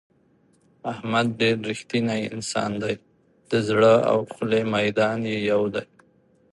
احمد ډېر رښتینی انسان دی د زړه او خولې میدان یې یو دی.